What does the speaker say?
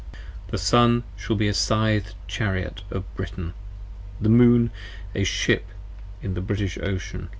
The Sun shall be a Scythed Chariot of Britain: the Moon, a Ship In the British Ocean!